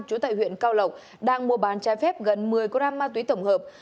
chủ tại huyện cao lộc đang mua bàn trái phép gần một mươi gram ma túy tổng hợp